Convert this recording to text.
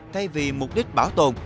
thay vì mục đích bảo tồn